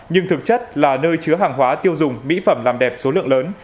nhưng thực chất là nơi chứa hàng hóa tiêu dùng mỹ phẩm làm đẹp số lượng lớn